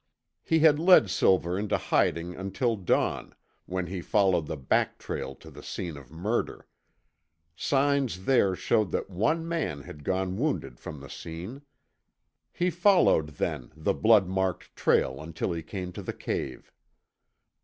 He had led Silver into hiding until dawn, when he followed the back trail to the scene of murder. Signs there showed that one man had gone wounded from the scene. He followed, then, the blood marked trail until he came to the cave.